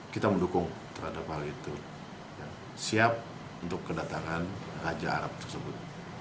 kita mendukung terhadap hal itu yang siap untuk kedatangan raja arab tersebut